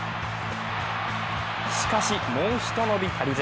しかし、もうひと伸び足りず。